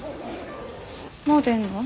もう出んの？